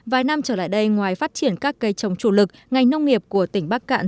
vài năm trở lại đây ngoài phát triển các cây trồng chủ lực ngành nông nghiệp của tỉnh bắc cạn